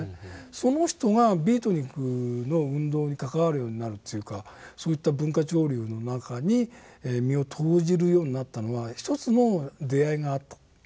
その人がビートニクの運動に関わるようになるというかそういった文化潮流の中に身を投じるようになったのは一つの出会いがあった。